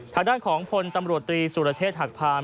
ทางด้านของพลตำรวจตรีสุรเชษฐหักพาน